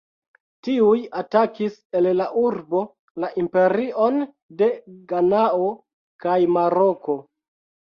Tiuj atakis el la urbo la imperion de Ganao kaj Maroko.